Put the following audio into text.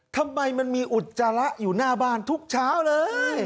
ทำไมมันมีอุจจาระอยู่หน้าบ้านทุกเช้าเลย